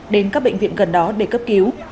đến các bệnh viện gần đó để cấp cứu